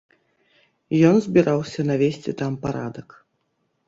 Ён збіраўся навесці там парадак.